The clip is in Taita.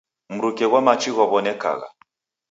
Mruke ghwa machi ghwaw'onekagha.